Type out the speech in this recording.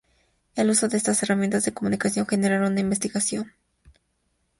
El uso de estas herramientas de comunicación generaron una investigación innovadora.